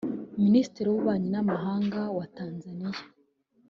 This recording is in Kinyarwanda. minisitiri w’ububanyi n’amahanga wa Tanzania